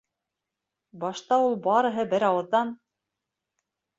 Башта ул барыһы бер ауыҙҙан: